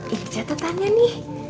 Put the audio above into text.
ini catetannya nih